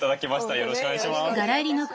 よろしくお願いします。